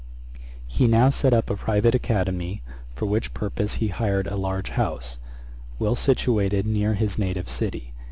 ] He now set up a private academy, for which purpose he hired a large house, well situated near his native city.